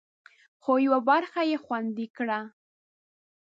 خو، یوه برخه یې خوندي کړه